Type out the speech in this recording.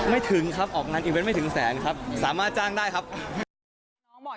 คือการว่าตัวเล่นไม่ได้แต่แสนเลยใช่ไหม